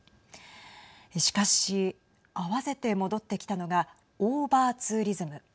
しかし、合わせて戻ってきたのがオーバーツーリズム。